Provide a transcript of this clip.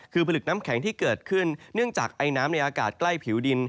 คือผลิตน้ำแข็งที่เกิดขึ้นเนื่องจากไอน้ำในอากาศใกล้ผิวดิน